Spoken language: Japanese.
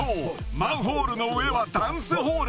マンホールの上はダンスホール